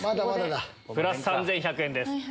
プラス３１００円です。